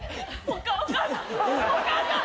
お母さん。